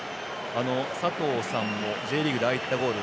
佐藤さんもＪリーグでああいったゴール